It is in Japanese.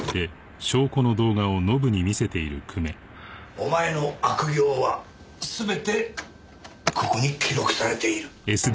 お前の悪行は全てここに記録されている。